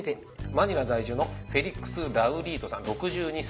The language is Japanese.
マニラ在住のフェリックス・ラウリートさん６２歳。